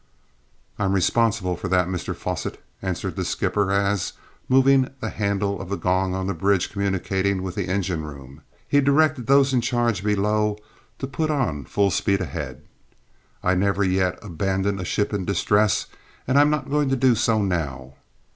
"I'm responsible for that, Mr Fosset," answered the skipper as, moving the handle of the gong on the bridge communicating with the engine room, he directed those in charge below to put on full speed ahead. "I never yet abandoned a ship in distress, and I'm not going to do so now.